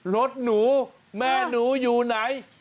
รถหนูแม่หนูอยู่ไหน